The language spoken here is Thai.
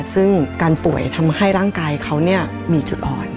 ซึ่งการป่วยทำให้ร่างกายเขามีจุดอ่อน